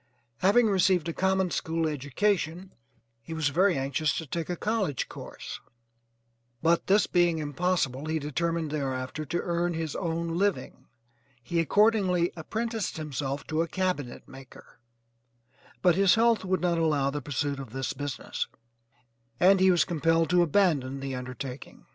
Having received a common school education he was very anxious to take a college course, but this being impossible, he determined thereafter to earn his own living. He accordingly apprenticed himself to a cabinet maker, but his health would not allow the pursuit of this business, and he was compelled to abandon the undertaking.